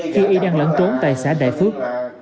khi y đang lẫn trốn tại xã đại phước